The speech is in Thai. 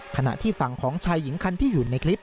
ขณะที่ฝั่งของชายหญิงคันที่อยู่ในคลิป